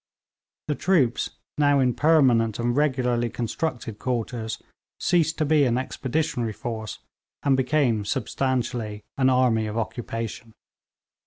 The troops, now in permanent and regularly constructed quarters, ceased to be an expeditionary force, and became substantially an army of occupation.